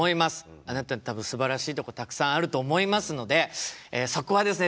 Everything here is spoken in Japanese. あなた多分すばらしいとこたくさんあると思いますのでそこはですね